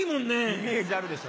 イメージあるでしょう？